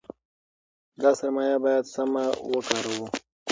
دا سرمایه باید سمه وکاروو.